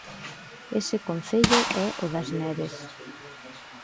Ese concello é o das Neves.